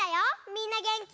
みんなげんき？